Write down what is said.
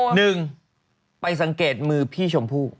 หนึ่งไปสังเกตมือพี่ชมพู่